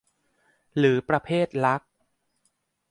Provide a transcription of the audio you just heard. หรือประเภทรัก